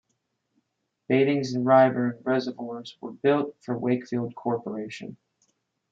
Baitings and Ryburn reservoirs were built for Wakefield Corporation.